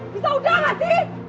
bisa udah gak sih